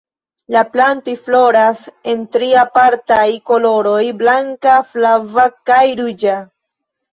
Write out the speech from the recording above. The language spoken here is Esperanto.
La plantoj floras en tri apartaj koloroj: blanka, flava kaj ruĝa.